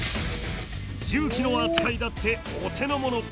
重機の扱いだってお手のもの。